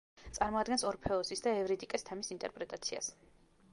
წარმოადგენს ორფეოსის და ევრიდიკეს თემის ინტერპრეტაციას.